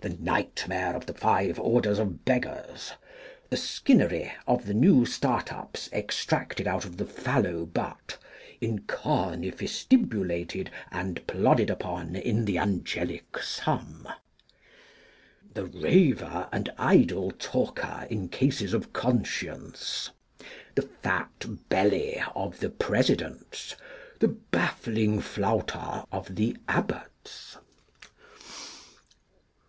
The Nightmare of the five Orders of Beggars. The Skinnery of the new Start ups extracted out of the fallow butt, incornifistibulated and plodded upon in the angelic sum. The Raver and idle Talker in cases of Conscience. The Fat Belly of the Presidents. The Baffling Flouter of the Abbots.